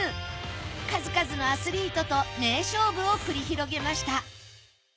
数々のアスリートと名勝負を繰り広げました。